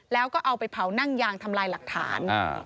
แล้วก็เอาไปเผานั่งยางทำลายหลักฐาน